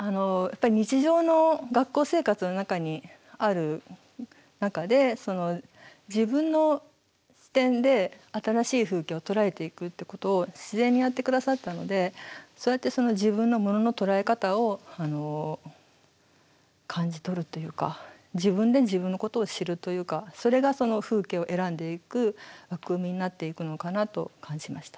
日常の学校生活の中にある中で自分の視点で新しい風景を捉えていくってことを自然にやってくださったのでそうやって自分のものの捉え方を感じ取るというか自分で自分のことを知るというかそれが風景を選んでいく枠組みになっていくのかなと感じました。